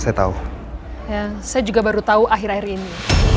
saya juga baru tahu akhir akhir ini